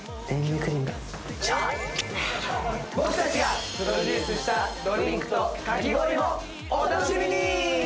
僕たちがプロデュースしたドリンクとかき氷もお楽しみに！